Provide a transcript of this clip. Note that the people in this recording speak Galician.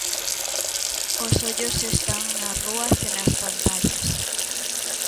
Os ollos están nas rúas e nas pantallas.